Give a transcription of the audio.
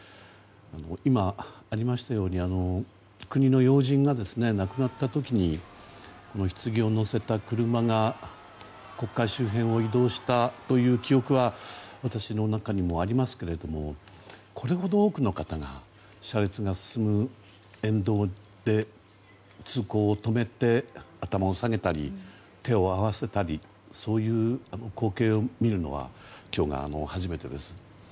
今ありましたように国の要人が亡くなった時にひつぎを乗せた車が国会周辺を移動したという記憶は私の中にもありますけどこれほど多くの方が車列が進む沿道で通行を止めて頭を下げたり手を合わせたりそういう光景を見るのは今日が初めてです。